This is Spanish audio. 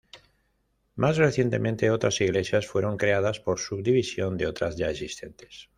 Más recientemente otras Iglesias fueron creadas por subdivisión de otras ya existentes.